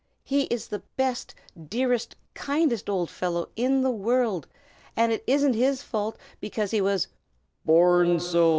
He is the best, dearest, kindest old fellow in the world, and it isn't his fault, because he was " "Born so!"